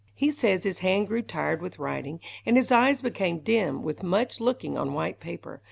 He says his hand grew tired with writing, and his eyes became dim with much looking on white paper.